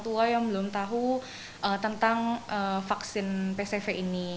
ada orang tua yang belum tahu tentang vaksin pcv ini